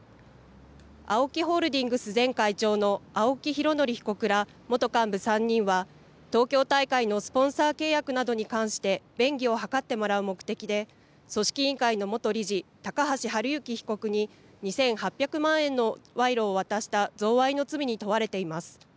ＡＯＫＩホールディングス前会長の青木拡憲被告ら元幹部３人は東京大会のスポンサー契約などに関して便宜を図ってもらう目的で組織委員会の元理事、高橋治之被告に２８００万円の賄賂を渡した贈賄の罪に問われています。